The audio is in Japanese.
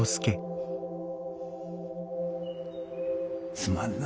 すまんな。